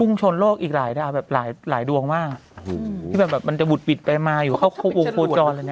พุ่งชนโลกอีกหลายดาวแบบหลายดวงมากอืมที่แบบมันจะบุดบิดไปมาอยู่เข้าโครงโครจรอะไรเนี่ย